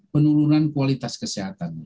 penurunan kualitas kesehatan